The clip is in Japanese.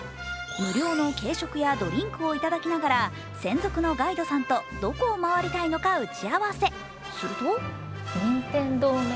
無料の軽食やドリンクをいただきながら専属のガイドさんとどこを回りたいのか相談。